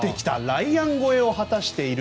ライアン超えを果たしている。